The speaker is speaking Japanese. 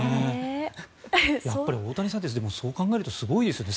大谷さんってそう考えるとすごいですね。